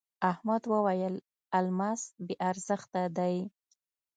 احمد وويل: الماس بې ارزښته دی.